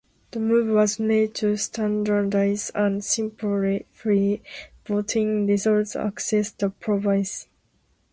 The move was made to standardize and simplify voting results across the province.